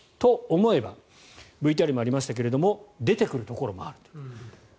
と思えばＶＴＲにもありましたが出てくるところもある。